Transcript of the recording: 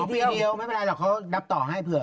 ปีเดียวไม่เป็นไรหรอกเขานับต่อให้เผื่อ